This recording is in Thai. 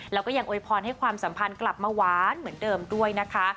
แล้วก็ยังโวยพรให้ความสัมพันธ์กลับมาหวานเหมือนเดิมด้วยนะคะ